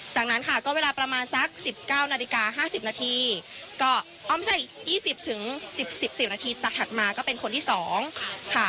จากนั้นค่ะก็เวลาประมาณสัก๑๙นาฬิกา๕๐นาทีก็อ้อมใช้อีก๒๐๑๐๑๔นาทีแต่ถัดมาก็เป็นคนที่๒ค่ะ